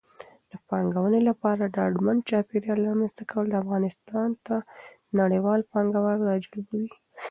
د پانګونې لپاره د ډاډمن چاپېریال رامنځته کول افغانستان ته نړیوال پانګوال راجلبوي.